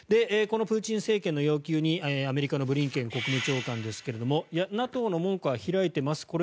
このプーチン政権の要求にアメリカのブリンケン国務長官ですがＮＡＴＯの門戸は開いています